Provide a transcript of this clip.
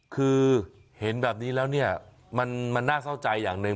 คือเห็นแบบนี้แล้วเนี่ยมันน่าเศร้าใจอย่างหนึ่ง